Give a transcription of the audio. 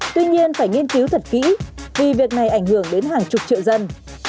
tuy nhiên phải nghiên cứu thật kỹ vì việc này ảnh hưởng đến hàng chục triệu dân